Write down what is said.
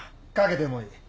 賭けてもいい。